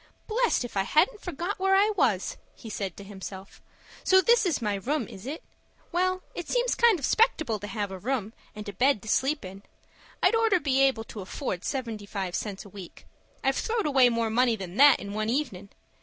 "Blest if I hadn't forgot where I was," he said to himself. "So this is my room, is it? Well, it seems kind of 'spectable to have a room and a bed to sleep in. I'd orter be able to afford seventy five cents a week. I've throwed away more money than that in one evenin'.